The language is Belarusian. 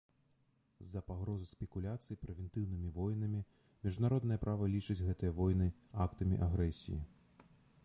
З-за пагрозы спекуляцый прэвентыўнымі войнамі міжнароднае права лічыць гэтыя войны актамі агрэсіі.